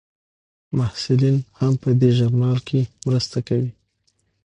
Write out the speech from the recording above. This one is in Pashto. محصلین هم په دې ژورنال کې مرسته کوي.